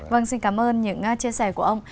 vâng xin cảm ơn những chia sẻ của ông